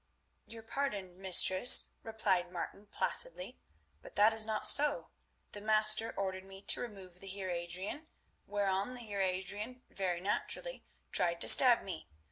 "Your pardon, mistress," replied Martin placidly; "but that is not so. The master ordered me to remove the Heer Adrian, whereon the Heer Adrian very naturally tried to stab me.